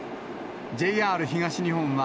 ＪＲ東日本は、